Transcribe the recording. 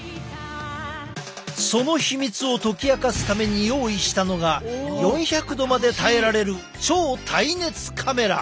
その秘密を解き明かすために用意したのが４００℃まで耐えられる超耐熱カメラ！